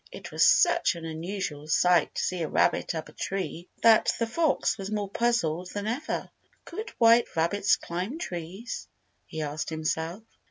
It was such an unusual sight to see a rabbit up a tree that the fox was more puzzled than ever. "Could white rabbits climb trees?" he asked himself.